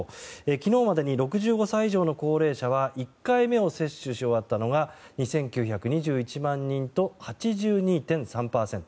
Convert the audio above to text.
昨日までに６５歳以上の高齢者は１回目を接種し終わったのが２９２１万人と８２．３％。